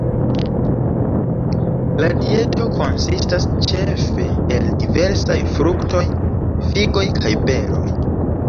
La dieto konsistas ĉefe el diversaj fruktoj, figoj kaj beroj.